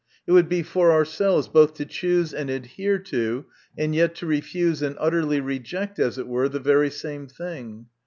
It would be, for ourselves both to choose and adhere to, and yet to refuse and utterly reject, as it were the very same thing.